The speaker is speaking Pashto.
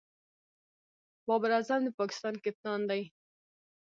بابر اعظم د پاکستان کپتان دئ.